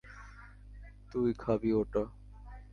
তুই খাবি ওটা?